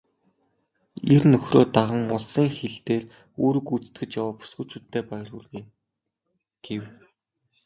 "Эр нөхрөө даган улсын хил дээр үүрэг гүйцэтгэж яваа бүсгүйчүүддээ баяр хүргэе" гэв.